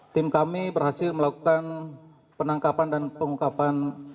tim kami berhasil melakukan penangkapan dan pengungkapan